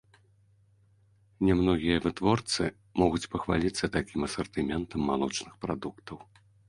Не многія вытворцы могуць пахваліцца такім асартыментам малочных прадуктаў.